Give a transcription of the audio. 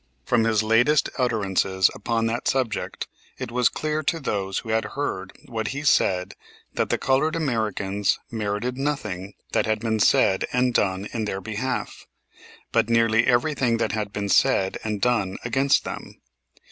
From his latest utterances upon that subject it was clear to those who heard what he said that the colored Americans merited nothing that had been said and done in their behalf, but nearly everything that had been said and done against them.